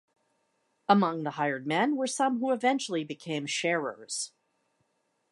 Among the hired men were some who eventually became sharers.